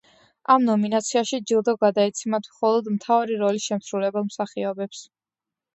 ამ ნომინაციაში ჯილდო გადაეცემათ მხოლოდ მთავარი როლის შემსრულებელ მსახიობებს.